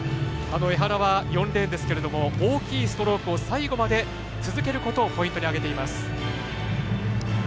江原は４レーンですけど大きいストロークを最後まで続けることをポイントに挙げています。